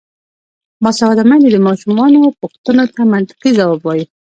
باسواده میندې د ماشومانو پوښتنو ته منطقي ځواب وايي.